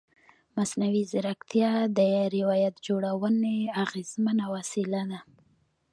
مصنوعي ځیرکتیا د روایت جوړونې اغېزمنه وسیله ده.